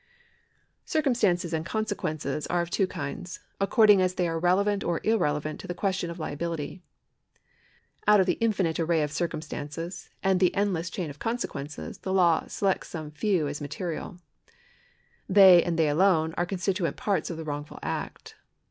Circumstances and consequences are of two kinds, accord ing as they are relevant or irrelevant to the question of liability. Out of the infinite array of circumstances and the endless chain of consequences the law selects some few as 32G LIABILITY [§ 128 material. They and they alone are constituent parts of the wrongful act.